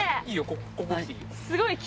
ここ来ていいよ。